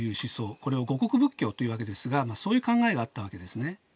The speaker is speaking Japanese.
これを護国仏教というわけですがそういう考えがあったわけですね。